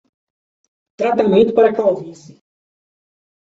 Tratamento para calvície